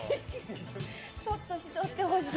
そっとしとってほしい。